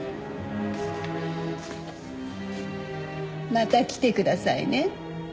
また来てくださいね。